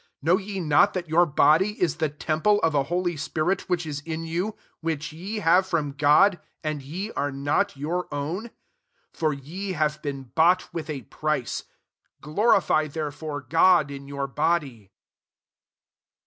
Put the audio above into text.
19 K^now ye not that your body is the temple of a holy spirit nvhich is in you, which ye have from God, and ye are not your own ? 20 For ye have been bought with a price : glorify therefore God in your body.